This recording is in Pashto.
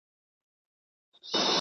د نغري غاړو ته هواري دوې کمبلي زړې